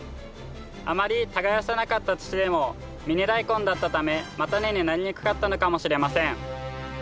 あまり耕さなかった土でもミニダイコンだったため叉根になりにくかったのかもしれません。